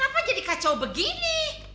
dodo kenapa jadi kacau begini